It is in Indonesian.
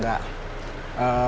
m determing buat ke